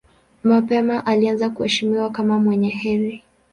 Mapema alianza kuheshimiwa kama mwenye heri.